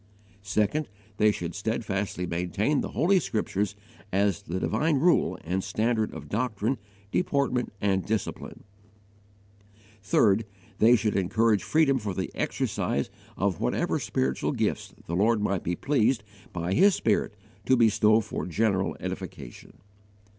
2. They should steadfastly maintain the Holy Scriptures as the divine rule and standard of doctrine, deportment, and discipline. 3. They should encourage freedom for the exercise of whatever spiritual gifts the Lord might be pleased by His Spirit to bestow for general edification.